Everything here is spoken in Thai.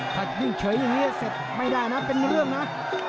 ถ้ายิ่งเฉยอย่างนี้เสร็จไม่ได้นะเป็นเรื่องนะ